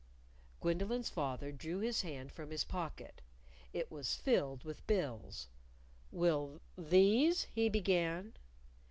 Gwendolyn's father drew his hand from his pocket. It was filled with bills. "Will these ?" he began.